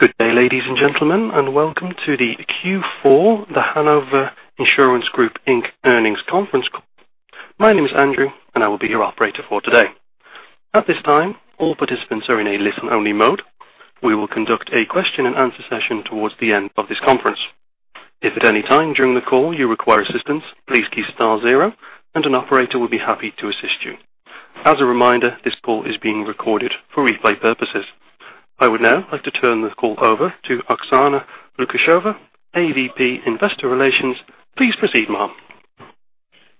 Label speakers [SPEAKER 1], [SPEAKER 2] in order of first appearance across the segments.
[SPEAKER 1] Good day, ladies and gentlemen, and welcome to the Q4 The Hanover Insurance Group, Inc. Earnings Conference Call. My name is Andrew and I will be your operator for today. At this time, all participants are in a listen-only mode. We will conduct a question and answer session towards the end of this conference. If at any time during the call you require assistance, please key star zero and an operator will be happy to assist you. As a reminder, this call is being recorded for replay purposes. I would now like to turn the call over to Oksana Lukasheva, AVP, Investor Relations. Please proceed, ma'am.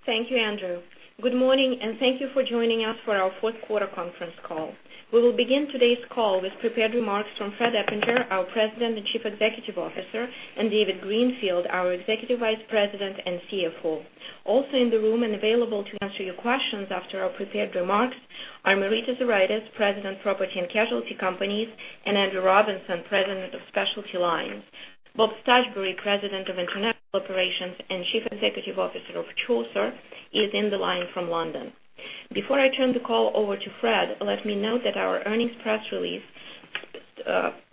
[SPEAKER 2] Thank you, Andrew. Good morning, and thank you for joining us for our fourth quarter conference call. We will begin today's call with prepared remarks from Fred Eppinger, our President and Chief Executive Officer, and David Greenfield, our Executive Vice President and CFO. Also in the room and available to answer your questions after our prepared remarks are Marita Zuraitis, President, Property and Casualty Companies, and Andrew Robinson, President of Specialty Lines. Bob Stuchbery, President of International Operations and Chief Executive Officer of Chaucer, is in the line from London. Before I turn the call over to Fred, let me note that our earnings press release,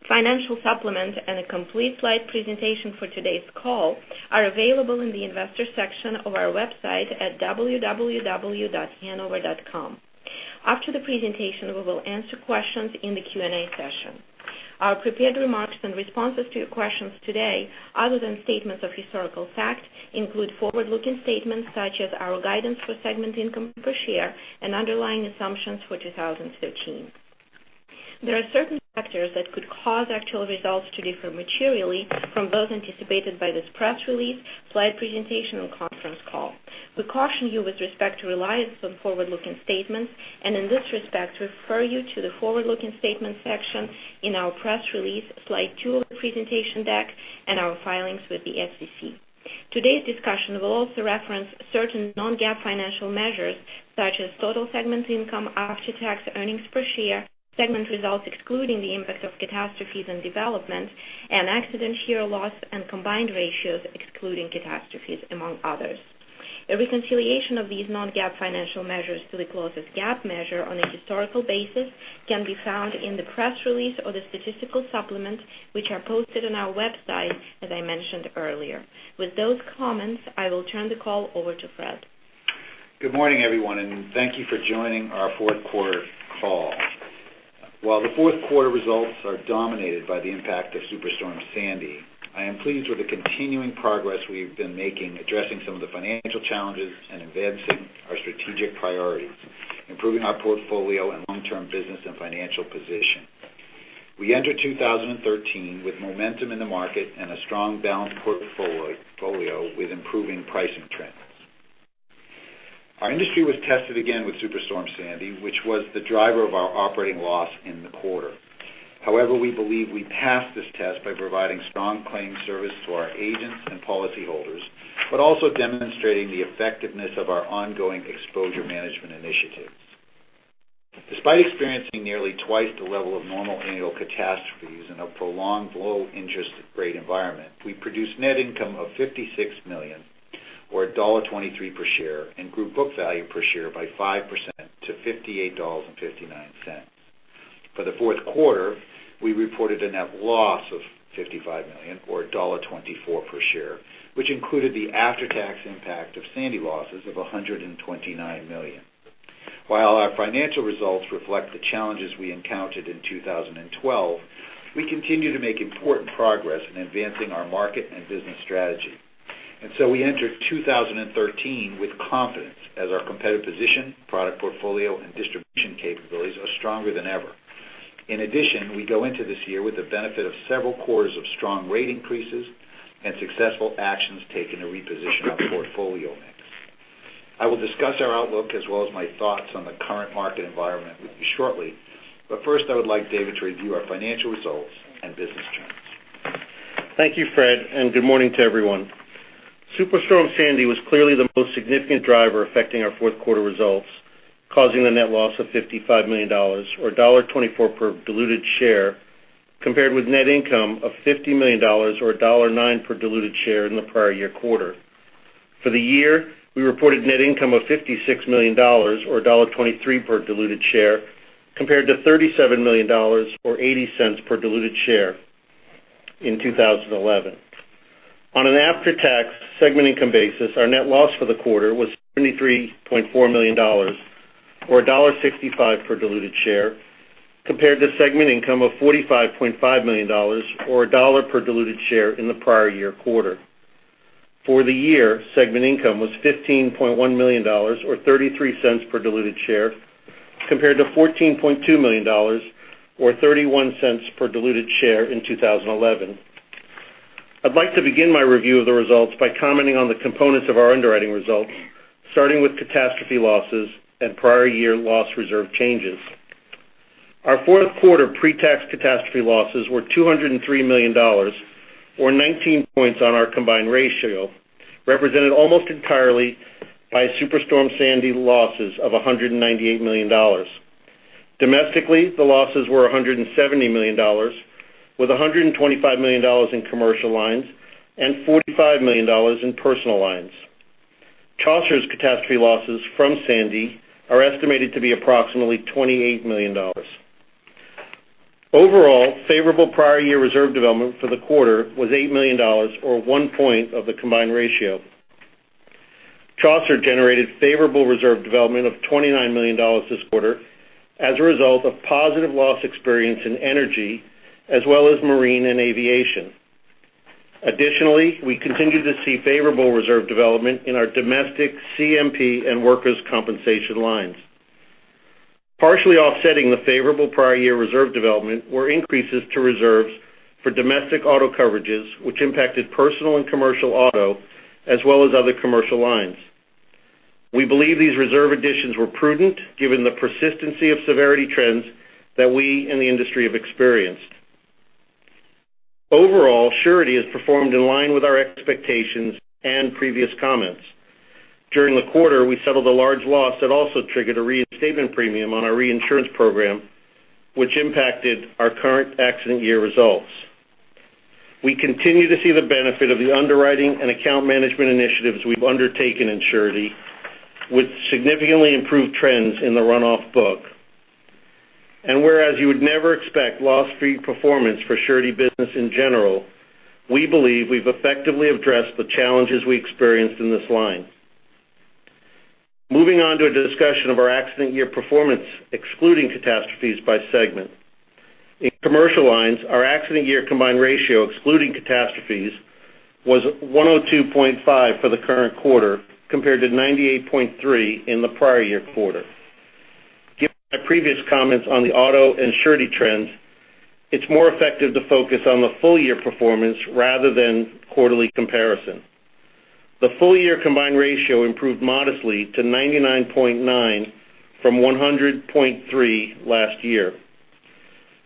[SPEAKER 2] financial supplement, and a complete slide presentation for today's call are available in the investor section of our website at www.hanover.com. After the presentation, we will answer questions in the Q&A session. Our prepared remarks and responses to your questions today, other than statements of historical fact, include forward-looking statements such as our guidance for segment income per share and underlying assumptions for 2013. There are certain factors that could cause actual results to differ materially from those anticipated by this press release, slide presentation, and conference call. We caution you with respect to reliance on forward-looking statements and in this respect, refer you to the forward-looking statements section in our press release, slide two of the presentation deck, and our filings with the SEC. Today's discussion will also reference certain non-GAAP financial measures such as total segment income after-tax earnings per share, segment results excluding the impact of catastrophes and developments, and accident year loss and combined ratios excluding catastrophes, among others. A reconciliation of these non-GAAP financial measures to the closest GAAP measure on a historical basis can be found in the press release or the statistical supplement, which are posted on our website, as I mentioned earlier. With those comments, I will turn the call over to Fred.
[SPEAKER 3] Good morning, everyone, and thank you for joining our fourth quarter call. While the fourth quarter results are dominated by the impact of Superstorm Sandy, I am pleased with the continuing progress we've been making addressing some of the financial challenges and advancing our strategic priorities, improving our portfolio and long-term business and financial position. We enter 2013 with momentum in the market and a strong balanced portfolio with improving pricing trends. Our industry was tested again with Superstorm Sandy, which was the driver of our operating loss in the quarter. However, we believe we passed this test by providing strong claim service to our agents and policyholders, but also demonstrating the effectiveness of our ongoing exposure management initiatives. Despite experiencing nearly twice the level of normal annual catastrophes in a prolonged low interest rate environment, we produced net income of $56 million or $1.23 per share and group book value per share by 5% to $58.59. For the fourth quarter, we reported a net loss of $55 million or $1.24 per share, which included the after-tax impact of Sandy losses of $129 million. While our financial results reflect the challenges we encountered in 2012, we continue to make important progress in advancing our market and business strategy. We enter 2013 with confidence as our competitive position, product portfolio, and distribution capabilities are stronger than ever. In addition, we go into this year with the benefit of several quarters of strong rate increases and successful actions taken to reposition our portfolio mix. I will discuss our outlook as well as my thoughts on the current market environment with you shortly, first I would like David to review our financial results and business trends.
[SPEAKER 4] Thank you, Fred, and good morning to everyone. Superstorm Sandy was clearly the most significant driver affecting our fourth quarter results, causing a net loss of $55 million or $1.24 per diluted share, compared with net income of $50 million or $1.09 per diluted share in the prior year quarter. For the year, we reported net income of $56 million or $1.23 per diluted share, compared to $37 million or $0.80 per diluted share in 2011. On an after-tax segment income basis, our net loss for the quarter was $73.4 million or $1.65 per diluted share, compared to segment income of $45.5 million or $1.00 per diluted share in the prior year quarter. For the year, segment income was $15.1 million or $0.33 per diluted share, compared to $14.2 million or $0.31 per diluted share in 2011. I'd like to begin my review of the results by commenting on the components of our underwriting results, starting with catastrophe losses and prior year loss reserve changes. Our fourth quarter pre-tax catastrophe losses were $203 million or 19 points on our combined ratio, represented almost entirely by Superstorm Sandy losses of $198 million. Domestically, the losses were $170 million with $125 million in commercial lines and $45 million in personal lines. Chaucer's catastrophe losses from Sandy are estimated to be approximately $28 million. Overall, favorable prior year reserve development for the quarter was $8 million, or one point of the combined ratio. Chaucer generated favorable reserve development of $29 million this quarter as a result of positive loss experience in energy, as well as marine and aviation. Additionally, we continue to see favorable reserve development in our domestic CMP and workers' compensation lines. Partially offsetting the favorable prior year reserve development were increases to reserves for domestic auto coverages, which impacted personal and commercial auto, as well as other commercial lines. We believe these reserve additions were prudent given the persistency of severity trends that we in the industry have experienced. Overall, surety has performed in line with our expectations and previous comments. During the quarter, we settled a large loss that also triggered a reinstatement premium on our reinsurance program, which impacted our current accident year results. We continue to see the benefit of the underwriting and account management initiatives we've undertaken in surety, with significantly improved trends in the runoff book. Whereas you would never expect loss-free performance for surety business in general, we believe we've effectively addressed the challenges we experienced in this line. Moving on to a discussion of our accident year performance, excluding catastrophes by segment. In commercial lines, our accident year combined ratio, excluding catastrophes, was 102.5 for the current quarter, compared to 98.3 in the prior year quarter. Given my previous comments on the auto and surety trends, it's more effective to focus on the full year performance rather than quarterly comparison. The full year combined ratio improved modestly to 99.9 from 100.3 last year.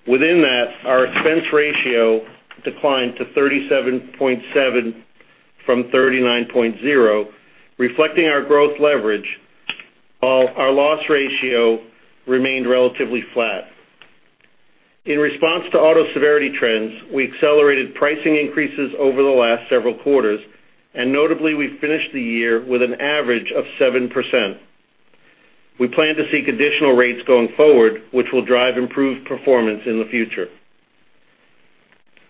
[SPEAKER 4] Within that, our expense ratio declined to 37.7 from 39.0, reflecting our growth leverage, while our loss ratio remained relatively flat. In response to auto severity trends, we accelerated pricing increases over the last several quarters. Notably, we finished the year with an average of 7%. We plan to seek additional rates going forward, which will drive improved performance in the future.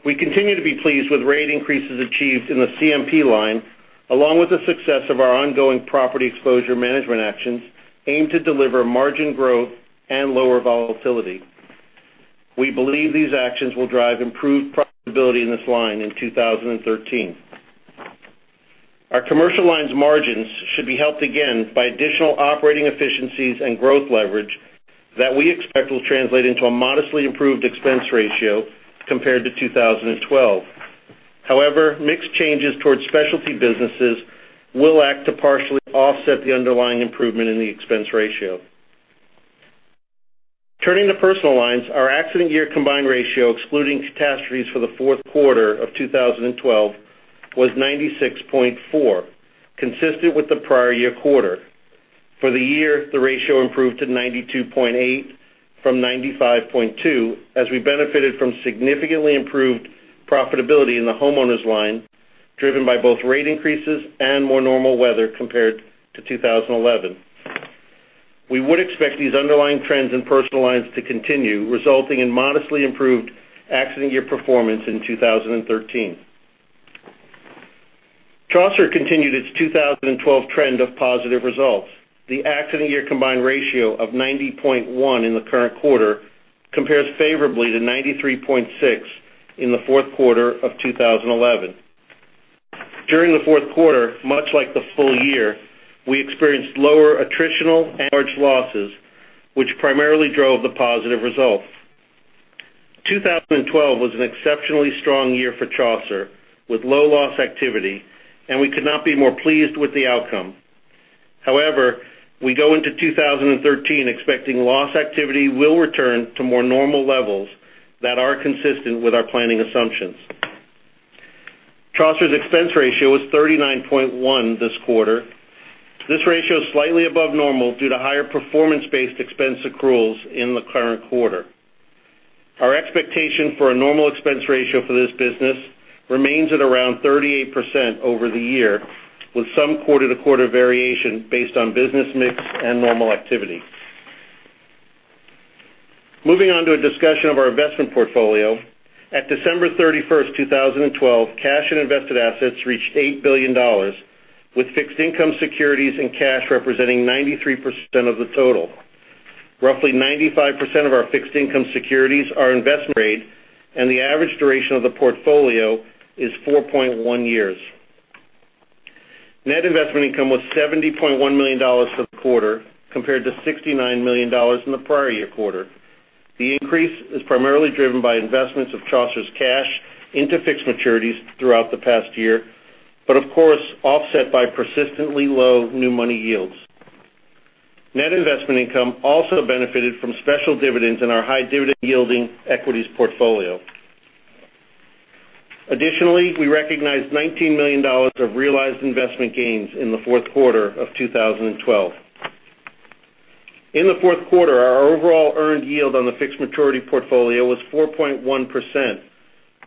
[SPEAKER 4] We continue to be pleased with rate increases achieved in the CMP line, along with the success of our ongoing property exposure management actions, aimed to deliver margin growth and lower volatility. We believe these actions will drive improved profitability in this line in 2013. Our commercial lines margins should be helped again by additional operating efficiencies and growth leverage that we expect will translate into a modestly improved expense ratio compared to 2012. However, mixed changes towards specialty businesses will act to partially offset the underlying improvement in the expense ratio. Turning to personal lines, our accident year combined ratio, excluding catastrophes for the fourth quarter of 2012, was 96.4, consistent with the prior year quarter. For the year, the ratio improved to 92.8 from 95.2 as we benefited from significantly improved profitability in the homeowners line, driven by both rate increases and more normal weather compared to 2011. We would expect these underlying trends in personal lines to continue, resulting in modestly improved accident year performance in 2013. Chaucer continued its 2012 trend of positive results. The accident year combined ratio of 90.1 in the current quarter compares favorably to 93.6 in the fourth quarter of 2011. During the fourth quarter, much like the full year, we experienced lower attritional and large losses, which primarily drove the positive results. 2012 was an exceptionally strong year for Chaucer, with low loss activity, and we could not be more pleased with the outcome. However, we go into 2013 expecting loss activity will return to more normal levels that are consistent with our planning assumptions. Chaucer's expense ratio was 39.1 this quarter. This ratio is slightly above normal due to higher performance-based expense accruals in the current quarter. Our expectation for a normal expense ratio for this business remains at around 38% over the year, with some quarter-to-quarter variation based on business mix and normal activity. Moving on to a discussion of our investment portfolio. At December 31st, 2012, cash and invested assets reached $8 billion, with fixed income securities and cash representing 93% of the total. Roughly 95% of our fixed income securities are investment grade, and the average duration of the portfolio is 4.1 years. Net investment income was $70.1 million for the quarter, compared to $69 million in the prior year quarter. The increase is primarily driven by investments of Chaucer's cash into fixed maturities throughout the past year, but of course, offset by persistently low new money yields. Net investment income also benefited from special dividends in our high dividend yielding equities portfolio. Additionally, we recognized $19 million of realized investment gains in the fourth quarter of 2012. In the fourth quarter, our overall earned yield on the fixed maturity portfolio was 4.1%,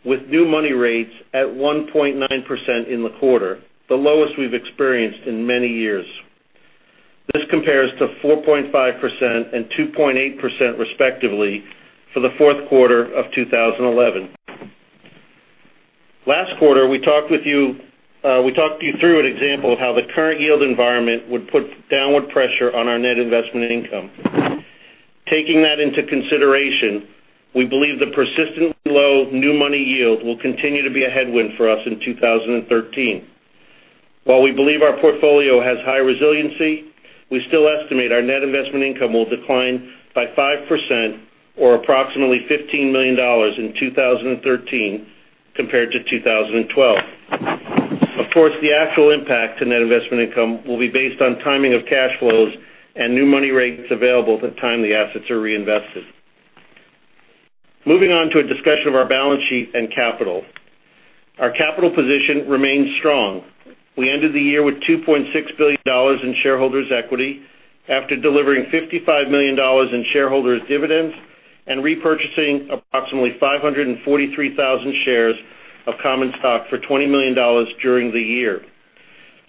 [SPEAKER 4] with new money rates at 1.9% in the quarter, the lowest we've experienced in many years. This compares to 4.5% and 2.8%, respectively, for the fourth quarter of 2011. Last quarter, we talked you through an example of how the current yield environment would put downward pressure on our net investment income. Taking that into consideration, we believe the persistently low new money yield will continue to be a headwind for us in 2013. While we believe our portfolio has high resiliency, we still estimate our net investment income will decline by 5%, or approximately $15 million in 2013 compared to 2012. Of course, the actual impact to net investment income will be based on timing of cash flows and new money rates available at the time the assets are reinvested. Moving on to a discussion of our balance sheet and capital. Our capital position remains strong. We ended the year with $2.6 billion in shareholders' equity after delivering $55 million in shareholders' dividends and repurchasing approximately 543,000 shares of common stock for $20 million during the year.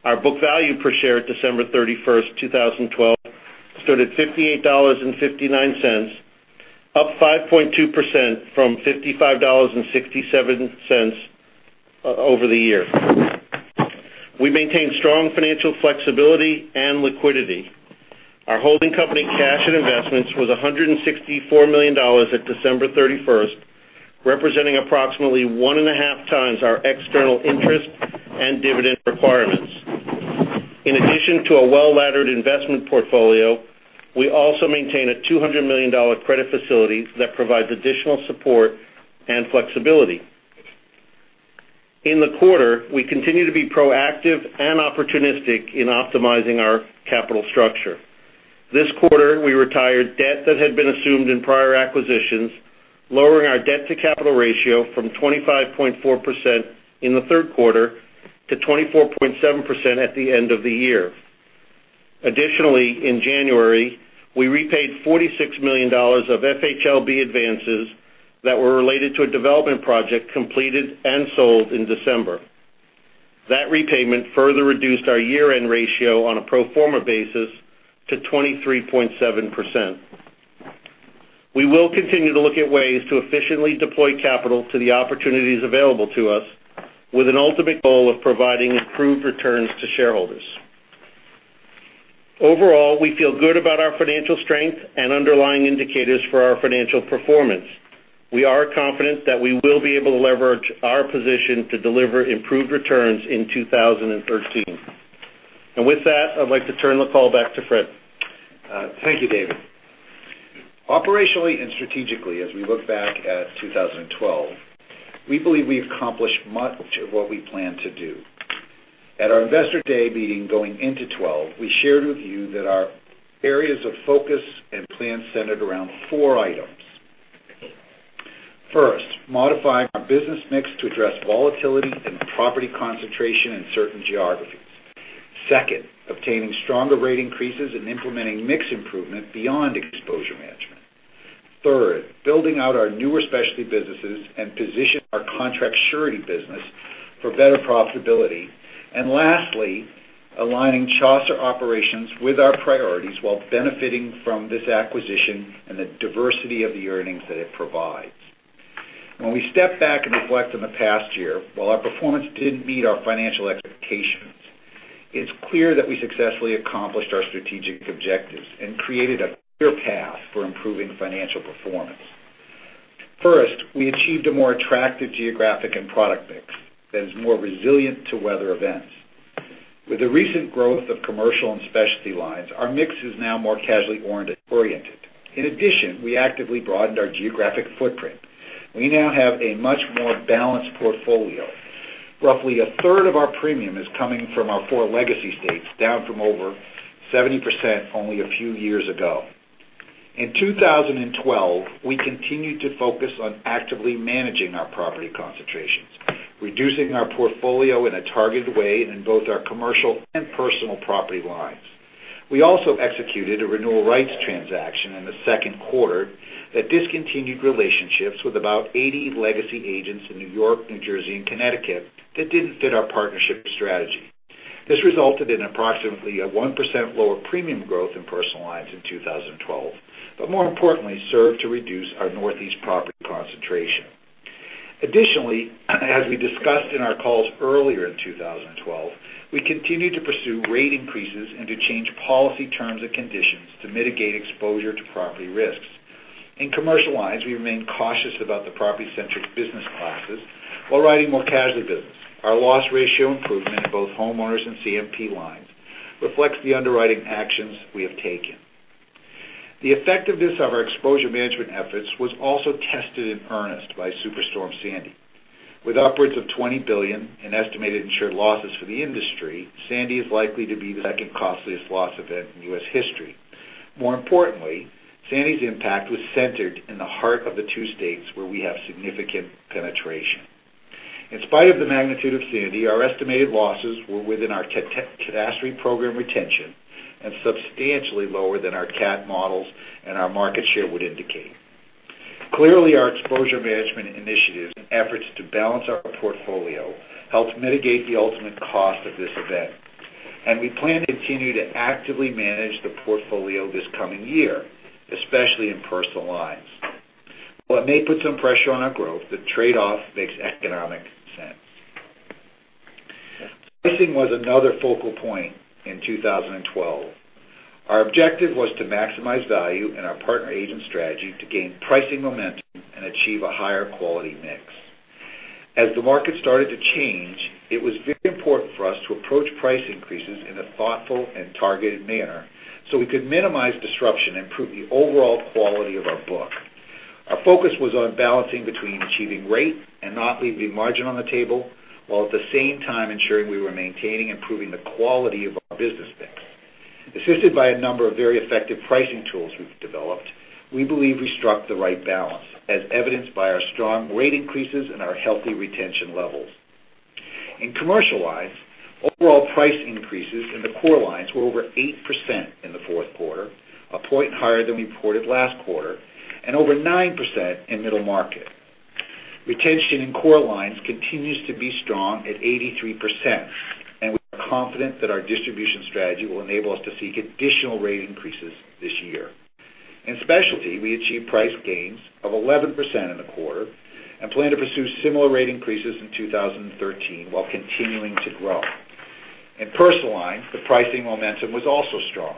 [SPEAKER 4] Our book value per share at December 31st, 2012, stood at $58.59, up 5.2% from $55.67 over the year. We maintained strong financial flexibility and liquidity. Our holding company cash and investments was $164 million at December 31st, representing approximately one and a half times our external interest and dividend requirements. In addition to a well-laddered investment portfolio, we also maintain a $200 million credit facility that provides additional support and flexibility. In the quarter, we continue to be proactive and opportunistic in optimizing our capital structure. This quarter, we retired debt that had been assumed in prior acquisitions, lowering our debt to capital ratio from 25.4% in the third quarter to 24.7% at the end of the year. Additionally, in January, we repaid $46 million of FHLB advances that were related to a development project completed and sold in December. That repayment further reduced our year-end ratio on a pro forma basis to 23.7%. We will continue to look at ways to efficiently deploy capital to the opportunities available to us with an ultimate goal of providing improved returns to shareholders. Overall, we feel good about our financial strength and underlying indicators for our financial performance. We are confident that we will be able to leverage our position to deliver improved returns in 2013. With that, I'd like to turn the call back to Fred.
[SPEAKER 3] Thank you, David. Operationally and strategically, as we look back at 2012, we believe we accomplished much of what we planned to do. At our investor day meeting going into 2012, we shared with you that our areas of focus and plans centered around four items. First, modifying our business mix to address volatility and property concentration in certain geographies. Second, obtaining stronger rate increases and implementing mix improvement beyond exposure management. Third, building out our newer specialty businesses and position our contract surety business for better profitability. Lastly, aligning Chaucer operations with our priorities while benefiting from this acquisition and the diversity of the earnings that it provides. When we step back and reflect on the past year, while our performance didn't meet our financial expectations, it's clear that we successfully accomplished our strategic objectives and created a clear path for improving financial performance. First, we achieved a more attractive geographic and product mix that is more resilient to weather events. With the recent growth of commercial and specialty lines, our mix is now more casualty oriented. In addition, we actively broadened our geographic footprint. We now have a much more balanced portfolio. Roughly a third of our premium is coming from our four legacy states, down from over 70% only a few years ago. In 2012, we continued to focus on actively managing our property concentrations, reducing our portfolio in a targeted way in both our commercial and personal property lines. We also executed a renewal rights transaction in the second quarter that discontinued relationships with about 80 legacy agents in New York, New Jersey, and Connecticut that didn't fit our partnership strategy. This resulted in approximately a 1% lower premium growth in personal lines in 2012, but more importantly, served to reduce our Northeast property concentration. Additionally, as we discussed in our calls earlier in 2012, we continued to pursue rate increases and to change policy terms and conditions to mitigate exposure to property risks. In commercial lines, we remain cautious about the property-centric business classes while writing more casualty business. Our loss ratio improvement in both homeowners and CMP lines reflects the underwriting actions we have taken. The effectiveness of our exposure management efforts was also tested in earnest by Superstorm Sandy. With upwards of $20 billion in estimated insured losses for the industry, Sandy is likely to be the second costliest loss event in U.S. history. More importantly, Sandy's impact was centered in the heart of the two states where we have significant penetration. In spite of the magnitude of Sandy, our estimated losses were within our catastrophe program retention and substantially lower than our cat models and our market share would indicate. Clearly, our exposure management initiatives and efforts to balance our portfolio helped mitigate the ultimate cost of this event, and we plan to continue to actively manage the portfolio this coming year, especially in personal lines. While it may put some pressure on our growth, the trade-off makes economic sense. Pricing was another focal point in 2012. Our objective was to maximize value in our partner agent strategy to gain pricing momentum and achieve a higher quality mix. As the market started to change, it was very important for us to approach price increases in a thoughtful and targeted manner so we could minimize disruption and improve the overall quality of our book. Our focus was on balancing between achieving rate and not leaving margin on the table, while at the same time ensuring we were maintaining and improving the quality of our business mix. Assisted by a number of very effective pricing tools we've developed, we believe we struck the right balance, as evidenced by our strong rate increases and our healthy retention levels. In commercial lines, overall price increases in the core lines were over 8% in the fourth quarter, a point higher than we reported last quarter, and over 9% in middle market. Retention in core lines continues to be strong at 83%. We are confident that our distribution strategy will enable us to seek additional rate increases this year. In specialty, we achieved price gains of 11% in the quarter and plan to pursue similar rate increases in 2013 while continuing to grow. In personal lines, the pricing momentum was also strong.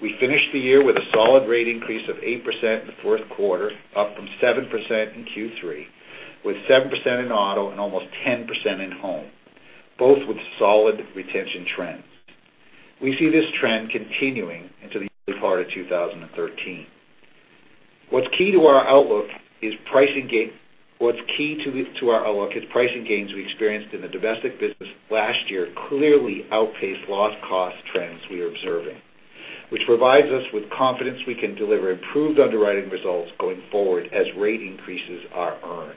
[SPEAKER 3] We finished the year with a solid rate increase of 8% in the fourth quarter, up from 7% in Q3, with 7% in auto and almost 10% in home, both with solid retention trends. We see this trend continuing into the early part of 2013. What's key to our outlook is pricing gains we experienced in the domestic business last year clearly outpaced loss cost trends we are observing, which provides us with confidence we can deliver improved underwriting results going forward as rate increases are earned.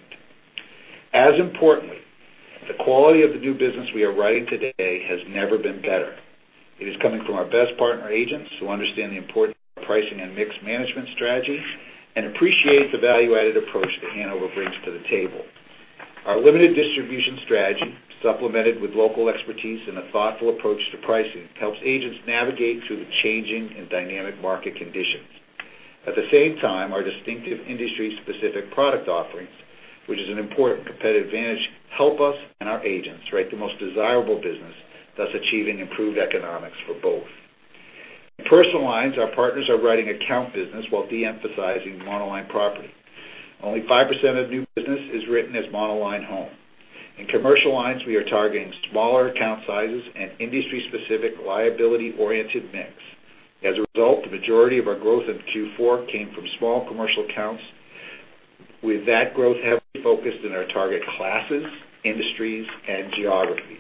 [SPEAKER 3] As importantly, the quality of the new business we are writing today has never been better. It is coming from our best partner agents who understand the importance of pricing and mix management strategy and appreciate the value-added approach that Hanover brings to the table. Our limited distribution strategy, supplemented with local expertise and a thoughtful approach to pricing, helps agents navigate through the changing and dynamic market conditions. At the same time, our distinctive industry-specific product offerings, which is an important competitive advantage, help us and our agents write the most desirable business, thus achieving improved economics for both. In personal lines, our partners are writing account business while de-emphasizing monoline property. Only 5% of new business is written as monoline home. In commercial lines, we are targeting smaller account sizes and industry-specific liability-oriented mix. As a result, the majority of our growth in Q4 came from small commercial accounts, with that growth heavily focused in our target classes, industries, and geographies.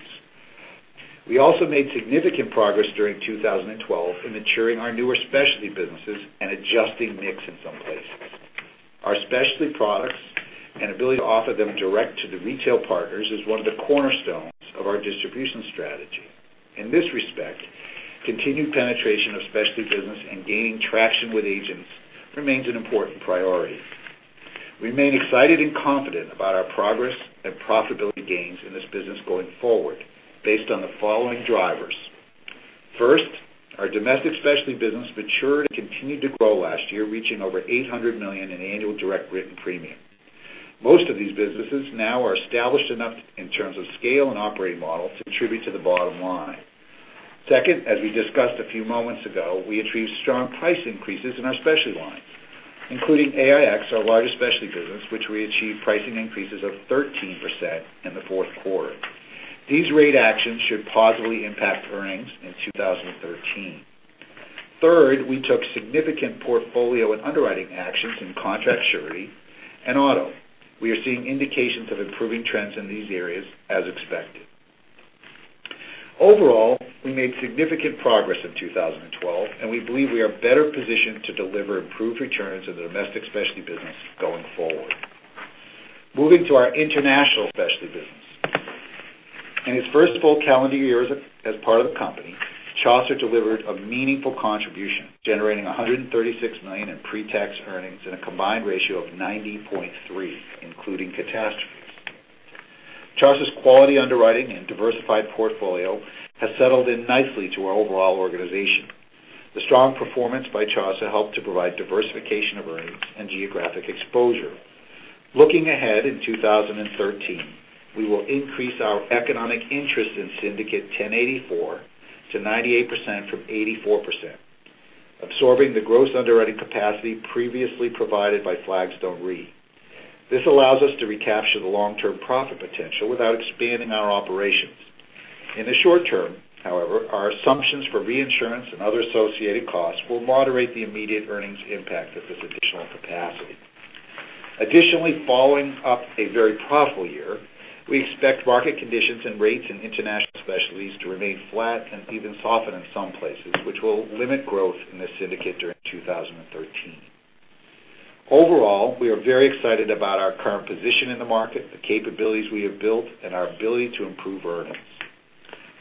[SPEAKER 3] We also made significant progress during 2012 in maturing our newer specialty businesses and adjusting mix in some places. Our specialty products and ability to offer them direct to the retail partners is one of the cornerstones of our distribution strategy. In this respect, continued penetration of specialty business and gaining traction with agents remains an important priority. We remain excited and confident about our progress and profitability gains in this business going forward based on the following drivers. First, our domestic specialty business matured and continued to grow last year, reaching over $800 million in annual direct written premium. Most of these businesses now are established enough in terms of scale and operating model to contribute to the bottom line. Second, as we discussed a few moments ago, we achieved strong price increases in our specialty lines, including AIX, our largest specialty business, which we achieved pricing increases of 13% in the fourth quarter. These rate actions should positively impact earnings in 2013. Third, we took significant portfolio and underwriting actions in contract surety and auto. We are seeing indications of improving trends in these areas as expected. Overall, we made significant progress in 2012, and we believe we are better positioned to deliver improved returns of the domestic specialty business going forward. Moving to our international specialty business. In its first full calendar year as part of the company, Chaucer delivered a meaningful contribution, generating $136 million in pretax earnings in a combined ratio of 90.3, including catastrophes. Chaucer's quality underwriting and diversified portfolio has settled in nicely to our overall organization. The strong performance by Chaucer helped to provide diversification of earnings and geographic exposure. Looking ahead in 2013, we will increase our economic interest in Syndicate 1084 to 98% from 84%, absorbing the gross underwriting capacity previously provided by Flagstone Re. This allows us to recapture the long-term profit potential without expanding our operations. In the short term, however, our assumptions for reinsurance and other associated costs will moderate the immediate earnings impact of this additional capacity. Additionally, following up a very profitable year, we expect market conditions and rates in international specialties to remain flat and even soften in some places, which will limit growth in this syndicate during 2013. Overall, we are very excited about our current position in the market, the capabilities we have built, and our ability to improve earnings.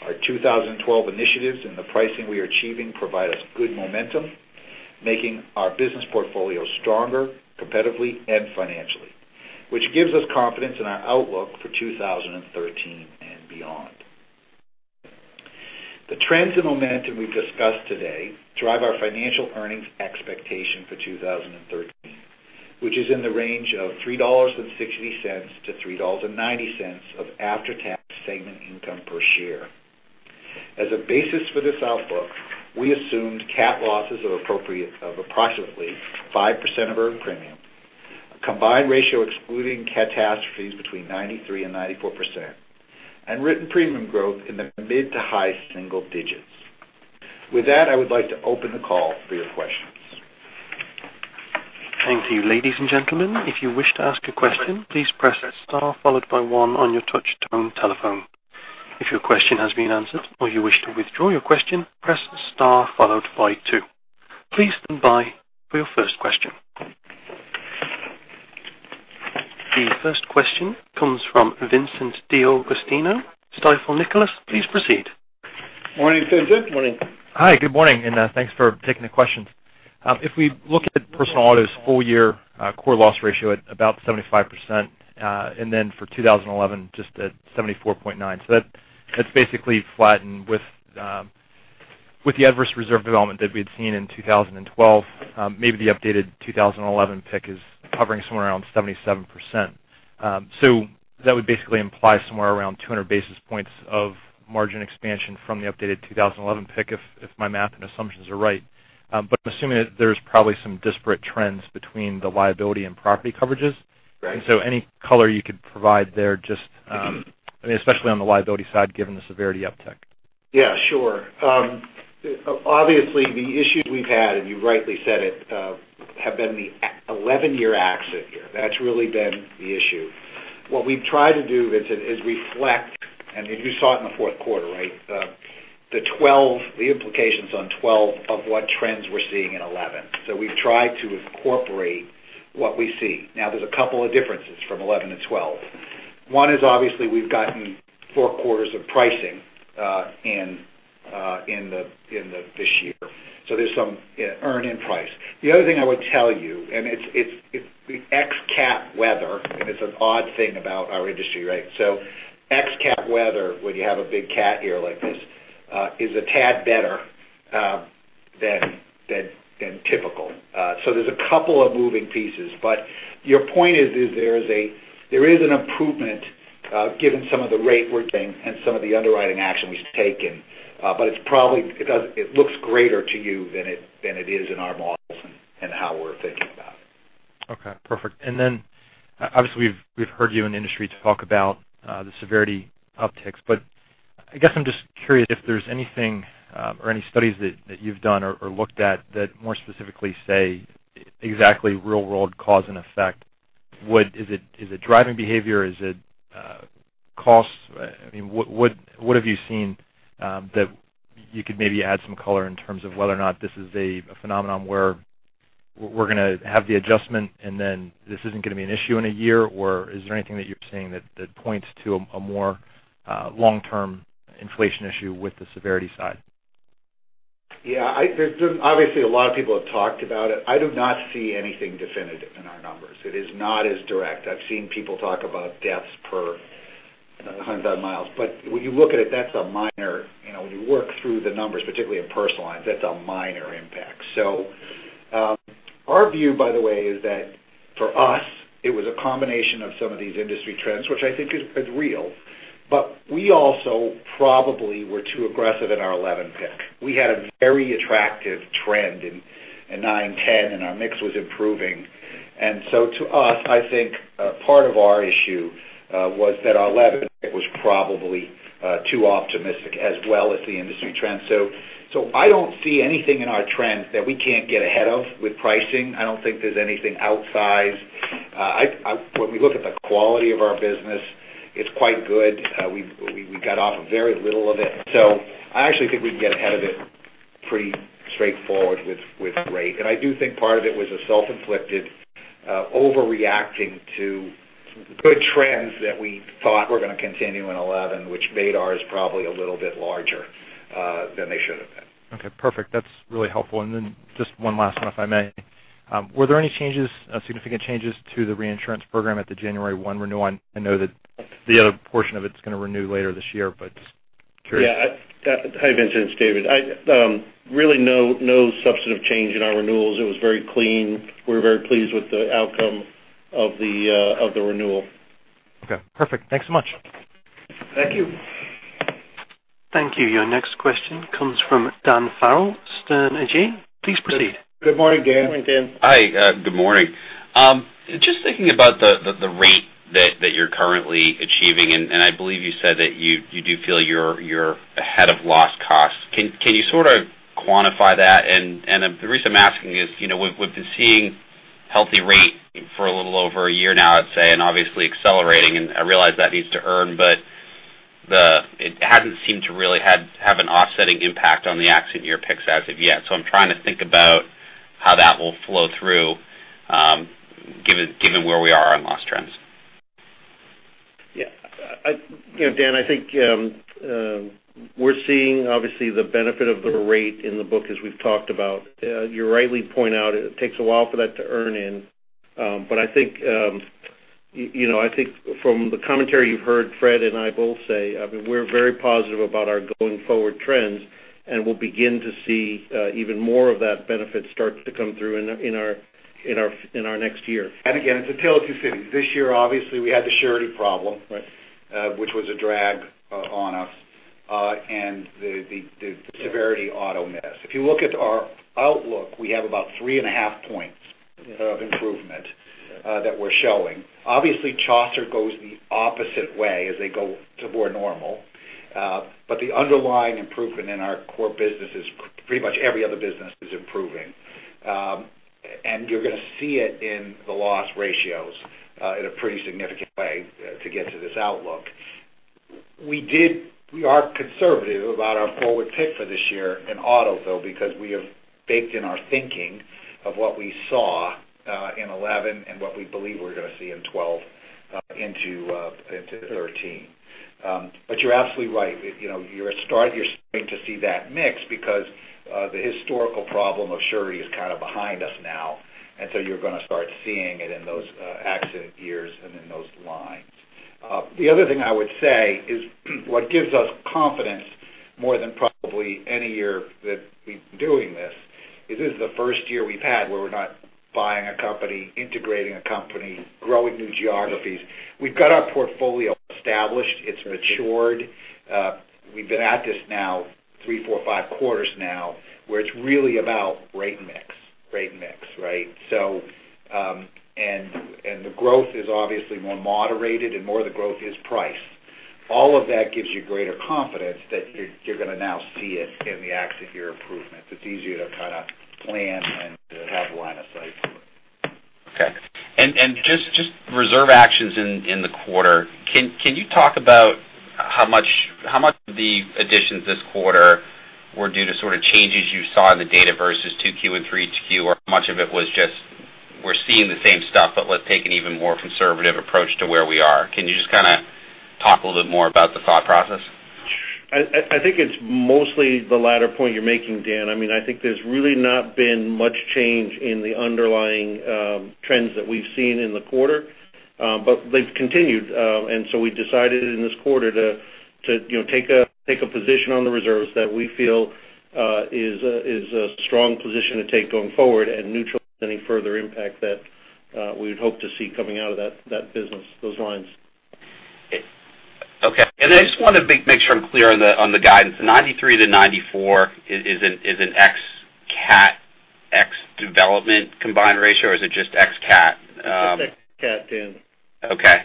[SPEAKER 3] Our 2012 initiatives and the pricing we are achieving provide us good momentum, making our business portfolio stronger, competitively and financially, which gives us confidence in our outlook for 2013 and beyond. The trends and momentum we've discussed today drive our financial earnings expectation for 2013, which is in the range of $3.60-$3.90 of after-tax segment income per share. As a basis for this outlook, we assumed cat losses of approximately 5% of earned premium, a combined ratio excluding catastrophes between 93% and 94%, and written premium growth in the mid to high single digits. With that, I would like to open the call for your questions.
[SPEAKER 1] Thank you. Ladies and gentlemen, if you wish to ask a question, please press star followed by one on your touch tone telephone. If your question has been answered or you wish to withdraw your question, press star followed by two. Please stand by for your first question. The first question comes from Vincent D'Agostino, Stifel Nicolaus. Please proceed.
[SPEAKER 3] Morning, Vincent.
[SPEAKER 4] Morning.
[SPEAKER 5] Hi, good morning, thanks for taking the questions. If we look at personal auto's full year core loss ratio at about 75%, for 2011, just at 74.9%. That's basically flattened with the adverse reserve development that we had seen in 2012, maybe the updated 2011 pick is hovering somewhere around 77%. That would basically imply somewhere around 200 basis points of margin expansion from the updated 2011 pick, if my math and assumptions are right. I'm assuming that there's probably some disparate trends between the liability and property coverages.
[SPEAKER 3] Right.
[SPEAKER 5] Any color you could provide there, especially on the liability side, given the severity uptick.
[SPEAKER 3] Yeah, sure. Obviously, the issues we've had, and you rightly said it, have been the 2011 year accident year. That's really been the issue. What we've tried to do, Vincent, is reflect, and you saw it in the fourth quarter, right? The implications on 2012 of what trends we're seeing in 2011. We've tried to incorporate what we see. There's a couple of differences from 2011 and 2012. One is obviously we've gotten 4 quarters of pricing in this year. There's some earn in price. The other thing I would tell you, and it's ex cat weather, and it's an odd thing about our industry, right? Ex cat weather, when you have a big cat year like this, is a tad better than typical. There's a couple of moving pieces, your point is there is an improvement given some of the rate we're getting and some of the underwriting action we've taken. It looks greater to you than it is in our models and how we're thinking about it.
[SPEAKER 5] Okay, perfect. Obviously we've heard you in the industry talk about the severity upticks, I guess I'm just curious if there's anything or any studies that you've done or looked at that more specifically say exactly real world cause and effect. Is it driving behavior? Is it cost? What have you seen that you could maybe add some color in terms of whether or not this is a phenomenon where we're going to have the adjustment and then this isn't going to be an issue in a year? Is there anything that you're seeing that points to a more long-term inflation issue with the severity side?
[SPEAKER 3] Yeah. Obviously, a lot of people have talked about it. I do not see anything definitive in our numbers. It is not as direct. I've seen people talk about deaths per 100,000 miles. When you look at it, when you work through the numbers, particularly in personal lines, that's a minor impact. Our view, by the way, is that for us, it was a combination of some of these industry trends, which I think is real. But we also probably were too aggressive in our 2011 pick. We had a very attractive trend in 2009 and 2010, and our mix was improving. To us, I think part of our issue was that our 2011 pick was probably too optimistic as well as the industry trend. I don't see anything in our trend that we can't get ahead of with pricing. I don't think there's anything outsized. When we look at the quality of our business, it's quite good. We got off very little of it. I actually think we can get ahead of it pretty straightforward with rate. I do think part of it was a self-inflicted, overreacting to good trends that we thought were going to continue in 2011, which made ours probably a little bit larger than they should have been.
[SPEAKER 5] Okay, perfect. That's really helpful. Just one last one, if I may. Were there any significant changes to the reinsurance program at the January 1 renewal? I know that the other portion of it's going to renew later this year, but just curious.
[SPEAKER 4] Yeah. Hi Vincent, it's David. Really no substantive change in our renewals. It was very clean. We're very pleased with the outcome of the renewal.
[SPEAKER 5] Okay, perfect. Thanks so much.
[SPEAKER 3] Thank you.
[SPEAKER 1] Thank you. Your next question comes from Dan Farrell, Sterne Agee. Please proceed.
[SPEAKER 3] Good morning, Dan.
[SPEAKER 4] Morning, Dan.
[SPEAKER 6] Hi, good morning. Just thinking about the rate that you're currently achieving, I believe you said that you do feel you're ahead of loss costs. Can you sort of quantify that? The reason I'm asking is we've been seeing healthy rate for a little over a year now, I'd say, obviously accelerating, I realize that needs to earn, but It hasn't seemed to really have an offsetting impact on the accident year picks as of yet. I'm trying to think about how that will flow through, given where we are on loss trends.
[SPEAKER 4] Yeah. Dan, I think we're seeing, obviously, the benefit of the rate in the book as we've talked about. You rightly point out it takes a while for that to earn in. I think from the commentary you've heard Fred and I both say, we're very positive about our going forward trends, We'll begin to see even more of that benefit start to come through in our next year.
[SPEAKER 3] Again, it's a tale of two cities. This year, obviously, we had the surety problem.
[SPEAKER 4] Right.
[SPEAKER 3] Which was a drag on us. The severity auto miss. If you look at our outlook, we have about three and a half points of improvement that we're showing. Obviously, Chaucer goes the opposite way as they go to more normal. The underlying improvement in our core business is pretty much every other business is improving. You're going to see it in the loss ratios in a pretty significant way to get to this outlook. We are conservative about our forward pick for this year in auto though, because we have baked in our thinking of what we saw in 2011 and what we believe we're going to see in 2012 into 2013. You're absolutely right. You're starting to see that mix because, the historical problem of surety is kind of behind us now. You're going to start seeing it in those accident years and in those lines. The other thing I would say is what gives us confidence more than probably any year that we've been doing this, is this is the first year we've had where we're not buying a company, integrating a company, growing new geographies. We've got our portfolio established. It's matured. We've been at this now three, four, five quarters now, where it's really about rate mix. Rate mix, right? The growth is obviously more moderated and more of the growth is price. All of that gives you greater confidence that you're going to now see it in the accident year improvements. It's easier to kind of plan and to have line of sight to it.
[SPEAKER 6] Okay. Just reserve actions in the quarter. Can you talk about how much the additions this quarter were due to sort of changes you saw in the data versus 2Q and 3Q? Or how much of it was just we're seeing the same stuff, but let's take an even more conservative approach to where we are. Can you just kind of talk a little bit more about the thought process?
[SPEAKER 4] I think it's mostly the latter point you're making, Dan. I think there's really not been much change in the underlying trends that we've seen in the quarter. They've continued, we decided in this quarter to take a position on the reserves that we feel is a strong position to take going forward and neutral as any further impact that we would hope to see coming out of that business, those lines.
[SPEAKER 6] Okay. I just want to make sure I'm clear on the guidance. The 93%-94% is an ex-cat, ex-development combined ratio, or is it just ex-cat?
[SPEAKER 4] It's just ex-cat, Dan.
[SPEAKER 6] Okay.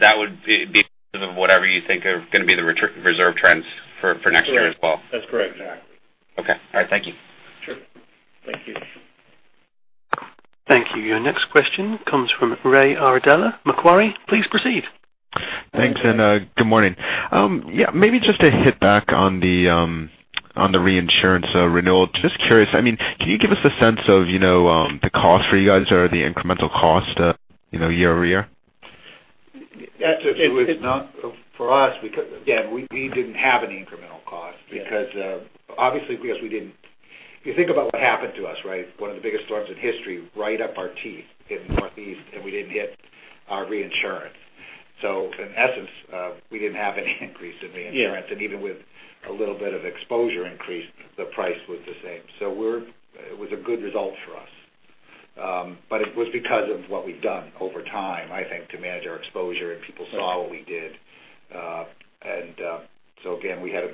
[SPEAKER 6] That would be sort of whatever you think are going to be the reserve trends for next year as well?
[SPEAKER 4] That's correct.
[SPEAKER 3] Exactly.
[SPEAKER 6] Okay. All right. Thank you.
[SPEAKER 4] Sure. Thank you.
[SPEAKER 1] Thank you. Your next question comes from Ray Iardella, Macquarie. Please proceed.
[SPEAKER 7] Thanks. Good morning. Maybe just to hit back on the reinsurance renewal. Just curious, can you give us a sense of the cost for you guys or the incremental cost year-over-year?
[SPEAKER 3] For us, Dan, we didn't have any incremental cost because obviously, we didn't. If you think about what happened to us, one of the biggest storms in history, right up our teeth in the Northeast, we didn't hit our reinsurance. In essence, we didn't have any increase in reinsurance, and even with a little bit of exposure increase, the price was the same. It was a good result for us. It was because of what we've done over time, I think, to manage our exposure, and people saw what we did. Again, we had a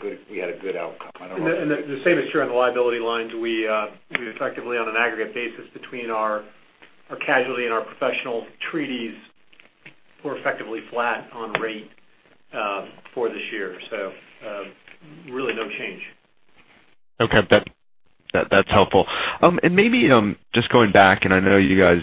[SPEAKER 3] good outcome.
[SPEAKER 4] The same is true on the liability lines. We effectively, on an aggregate basis between our casualty and our professional treaties, we're effectively flat on rate for this year. Really no change.
[SPEAKER 7] Okay. That's helpful. Maybe just going back, I know you guys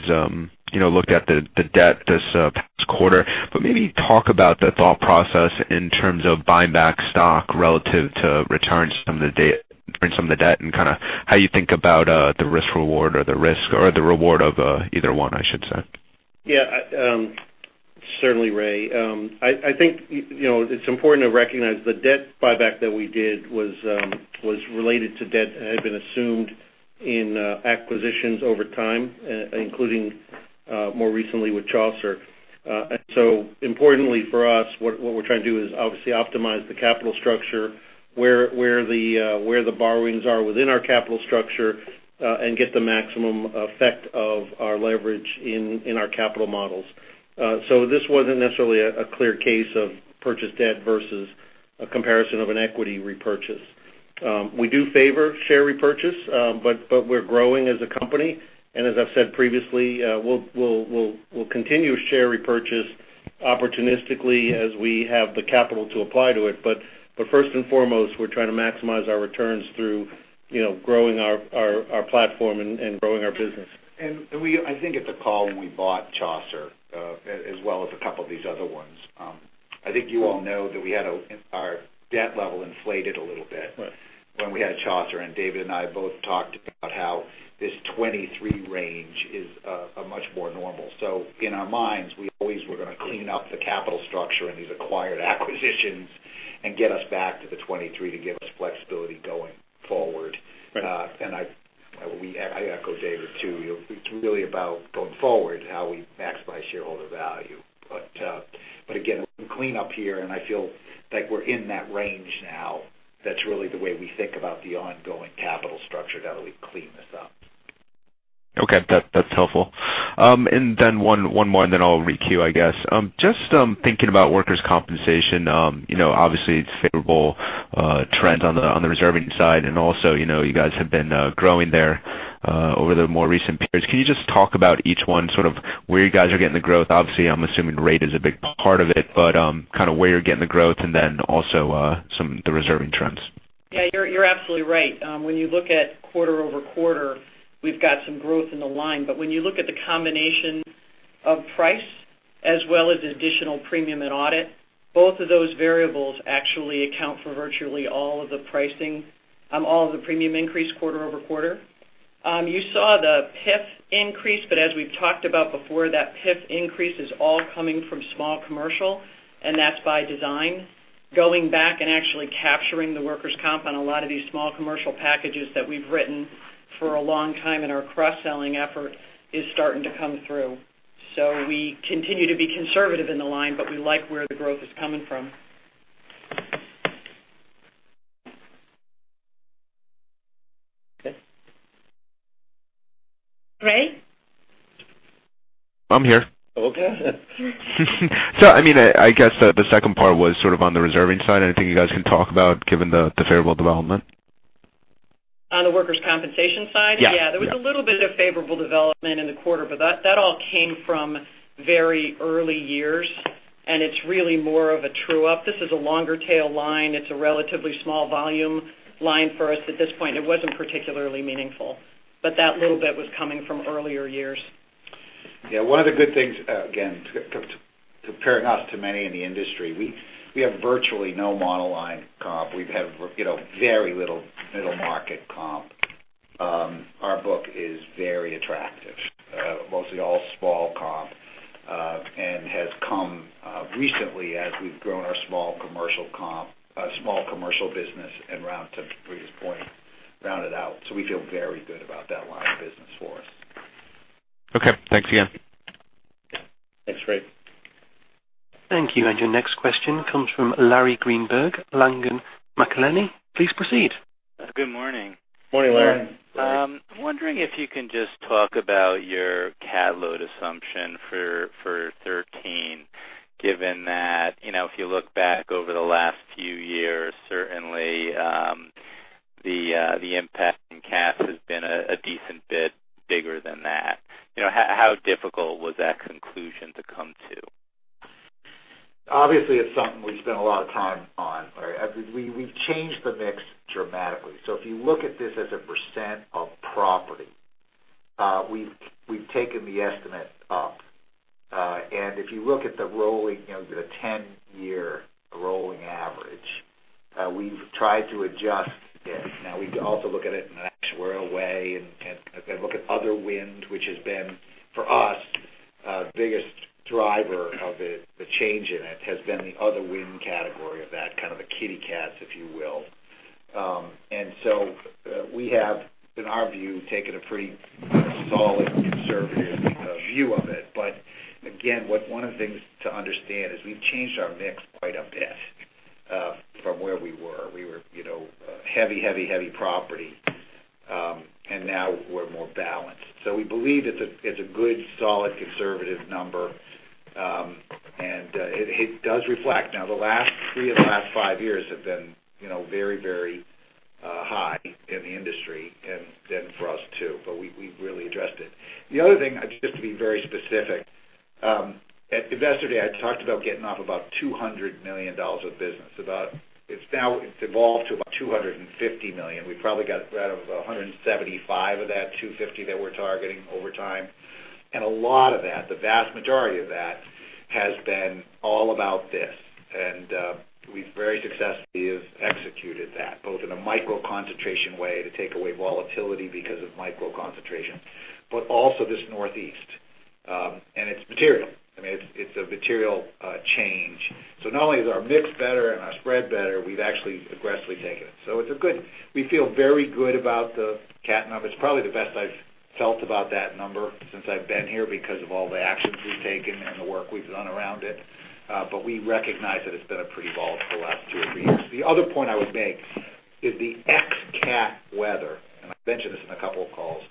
[SPEAKER 7] looked at the debt this past quarter, maybe talk about the thought process in terms of buying back stock relative to returns from the debt and kind of how you think about the risk reward or the risk or the reward of either one, I should say.
[SPEAKER 4] Certainly, Ray. I think it's important to recognize the debt buyback that we did was related to debt that had been assumed in acquisitions over time, including more recently with Chaucer. Importantly for us, what we're trying to do is obviously optimize the capital structure where the borrowings are within our capital structure, and get the maximum effect of our leverage in our capital models. This wasn't necessarily a clear case of purchase debt versus a comparison of an equity repurchase. We do favor share repurchase, we're growing as a company. As I've said previously, we'll continue share repurchase opportunistically as we have the capital to apply to it. First and foremost, we're trying to maximize our returns through growing our platform and growing our business.
[SPEAKER 3] I think at the call when we bought Chaucer, as well as a couple of these other ones, I think you all know that our debt level inflated a little bit.
[SPEAKER 4] Right
[SPEAKER 3] When we had Chaucer, David and I both talked about how this 23 range is much more normal. In our minds, we always were going to clean up the capital structure in these acquired acquisitions and get us back to the 23 to give us flexibility going forward.
[SPEAKER 4] Right.
[SPEAKER 3] I echo David too. It's really about going forward, how we maximize shareholder value. Again, we can clean up here, and I feel like we're in that range now. That's really the way we think about the ongoing capital structure, how do we clean this up?
[SPEAKER 7] Okay. That's helpful. Then one more, and then I'll re-queue, I guess. Just thinking about workers' compensation, obviously it's a favorable trend on the reserving side, and also, you guys have been growing there over the more recent periods. Can you just talk about each one, sort of where you guys are getting the growth? Obviously, I'm assuming rate is a big part of it, kind of where you're getting the growth and then also the reserving trends.
[SPEAKER 8] Yeah, you're absolutely right. When you look at quarter-over-quarter, we've got some growth in the line. When you look at the combination of price as well as additional premium and audit, both of those variables actually account for virtually all of the pricing, all of the premium increase quarter-over-quarter. You saw the PIF increase, as we've talked about before, that PIF increase is all coming from small commercial, and that's by design. Going back and actually capturing the workers' comp on a lot of these small commercial packages that we've written for a long time in our cross-selling effort is starting to come through. We continue to be conservative in the line, but we like where the growth is coming from.
[SPEAKER 7] Okay.
[SPEAKER 8] Ray?
[SPEAKER 7] I'm here.
[SPEAKER 3] Okay.
[SPEAKER 7] I guess the second part was sort of on the reserving side. Anything you guys can talk about, given the favorable development?
[SPEAKER 8] On the workers' compensation side?
[SPEAKER 7] Yeah.
[SPEAKER 8] Yeah. There was a little bit of favorable development in the quarter, but that all came from very early years, and it's really more of a true up. This is a longer tail line. It's a relatively small volume line for us at this point, and it wasn't particularly meaningful. That little bit was coming from earlier years.
[SPEAKER 3] Yeah. One of the good things, again, comparing us to many in the industry, we have virtually no monoline comp. We have very little middle market comp. Our book is very attractive, mostly all small comp, and has come recently as we've grown our small commercial comp, small commercial business, and to Marita's point, round it out. We feel very good about that line of business for us.
[SPEAKER 7] Okay, thanks again.
[SPEAKER 3] Yeah. Thanks, Ray.
[SPEAKER 1] Thank you. Your next question comes from Larry Greenberg, Langen McAlenney. Please proceed.
[SPEAKER 9] Good morning.
[SPEAKER 3] Morning, Larry.
[SPEAKER 9] I'm wondering if you can just talk about your cat load assumption for 2013, given that if you look back over the last few years, certainly, the impact in cats has been a decent bit bigger than that. How difficult was that conclusion to come to?
[SPEAKER 3] It's something we spent a lot of time on, Larry Greenberg. We've changed the mix dramatically. If you look at this as a percent of property, we've taken the estimate up. If you look at the 10-year rolling average, we've tried to adjust it. We also look at it in an actuarial way and look at other wind, which has been, for us, biggest driver of the change in it, has been the other wind category of that, kind of the kitty cats, if you will. We have, in our view, taken a pretty solid, conservative view of it. Again, one of the things to understand is we've changed our mix quite a bit from where we were. We were heavy property, and now we're more balanced. We believe it's a good, solid, conservative number. It does reflect. The last three of the last five years have been very high in the industry and then for us too, we've really addressed it. The other thing, just to be very specific, at Investor Day, I talked about getting off about $200 million of business. It's now evolved to about $250 million. We probably got out of $175 of that $250 that we're targeting over time. A lot of that, the vast majority of that, has been all about this. We very successfully have executed that, both in a micro concentration way to take away volatility because of micro concentration, but also this Northeast. It's material. I mean, it's a material change. Not only is our mix better and our spread better, we've actually aggressively taken it. We feel very good about the cat number. It's probably the best I've felt about that number since I've been here because of all the actions we've taken and the work we've done around it. We recognize that it's been pretty volatile the last two or three years. The other point I would make is the cat weather, I've mentioned this in a couple of calls,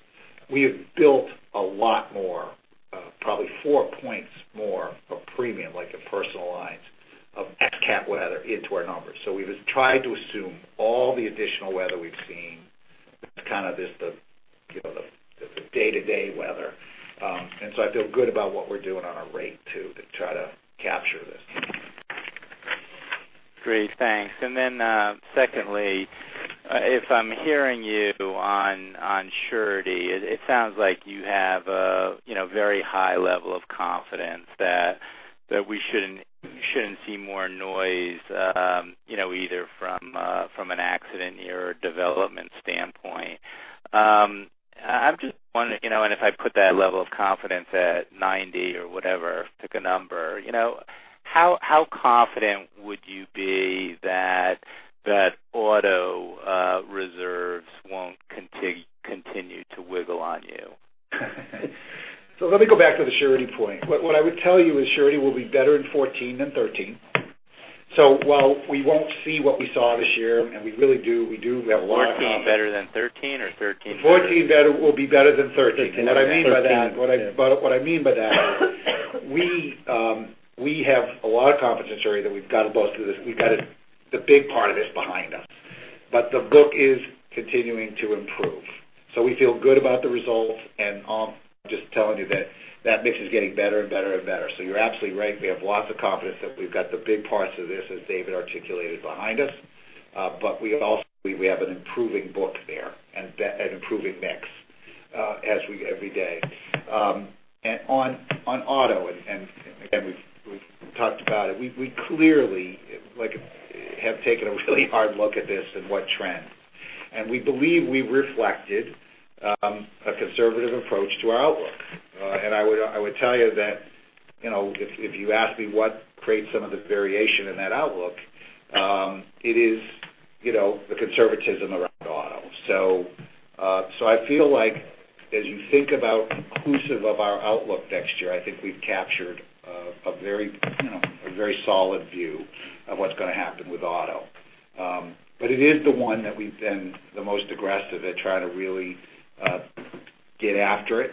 [SPEAKER 3] we have built a lot more, probably 4 points more of premium, like in personal lines of ex-cat weather into our numbers. We've tried to assume all the additional weather we've seen. It's kind of just the day-to-day weather. I feel good about what we're doing on our rate too, to try to capture this.
[SPEAKER 9] Great. Thanks. Secondly, if I'm hearing you on surety, it sounds like you have a very high level of confidence that we shouldn't see more noise, either from an accident or development standpoint. If I put that level of confidence at 90 or whatever, pick a number, how confident would you be that auto reserves won't continue to wiggle on you?
[SPEAKER 3] Let me go back to the Surety point. What I would tell you is Surety will be better in 2014 than 2013. While we won't see what we saw this year, and we really do have a lot of confidence.
[SPEAKER 9] 2014 better than 2013 or 2013 better than.
[SPEAKER 3] 2014 will be better than 2013. What I mean by that is we have a lot of confidence in Surety that we've got the big part of this behind us. The book is continuing to improve. We feel good about the results and I'm just telling you that that mix is getting better and better. You're absolutely right. We have lots of confidence that we've got the big parts of this, as David articulated, behind us. We also have an improving book there and improving mix every day. On auto, and again, we've talked about it, we clearly have taken a really hard look at this and what trend. We believe we reflected a conservative approach to our outlook. I would tell you that if you ask me what creates some of the variation in that outlook, it is the conservatism around auto. I feel like as you think about inclusive of our outlook next year, I think we've captured a very solid view of what's going to happen with auto. It is the one that we've been the most aggressive at trying to really get after it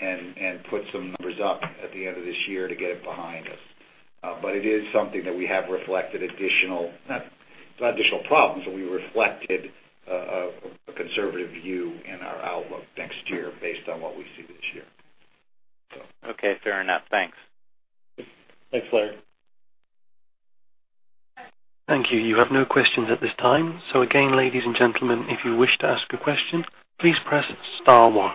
[SPEAKER 3] and put some numbers up at the end of this year to get it behind us. It is something that we have reflected additional, not additional problems, but we reflected a conservative view in our outlook next year based on what we see this year.
[SPEAKER 9] Okay. Fair enough. Thanks.
[SPEAKER 3] Thanks, Larry.
[SPEAKER 1] Thank you. You have no questions at this time. Again, ladies and gentlemen, if you wish to ask a question, please press star one.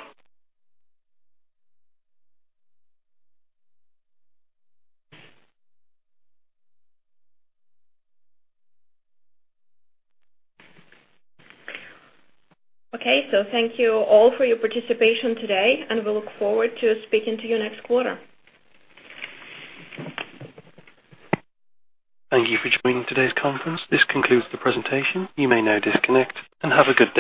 [SPEAKER 2] Okay. Thank you all for your participation today, and we look forward to speaking to you next quarter.
[SPEAKER 1] Thank you for joining today's conference. This concludes the presentation. You may now disconnect. Have a good day.